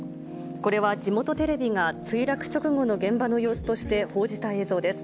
これは地元テレビが、墜落直後の現場の様子として報じた映像です。